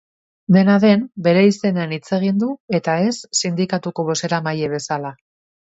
Dena den, bere izenean hitz egin du eta ez sindikatuko bozeramaile bezala.